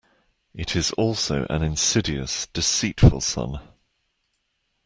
It is also an insidious, deceitful sun.